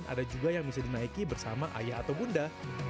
ada juga yang bisa dinaiki bersama ayah atau bunda